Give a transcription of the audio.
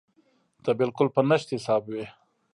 ته بالکل په نشت حساب وې.